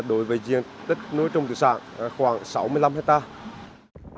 đối với diện tích nối trung tự sản khoảng sáu mươi năm hectare